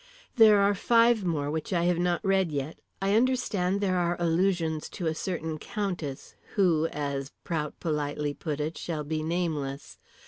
"There are five more which I have not read yet. I understand there are allusions to a certain Countess who, as Prout politely put it, shall be nameless.